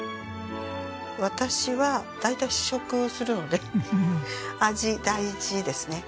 私は大体試食するので味大事ですね。